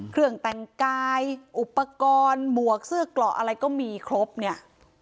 เครื่องแต่งกายอุปกรณ์หมวกเสื้อเกราะอะไรก็มีครบเนี่ย